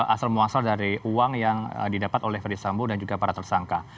asal muasal dari uang yang didapat oleh ferdis sambo dan juga para tersangka